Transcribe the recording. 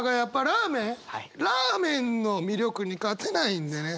ラーメンの魅力に勝てないんでね。